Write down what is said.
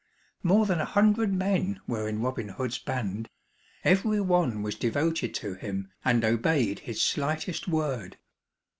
More than a hundred men were in Robin Hood's band; every one was devoted to him and obeyed his slightest word.